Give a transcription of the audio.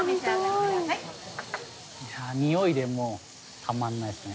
においでもうたまんないですね。